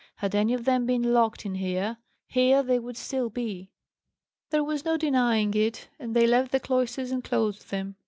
Had any of them been locked in here, here they would be still." There was no denying it, and they left the cloisters and closed them.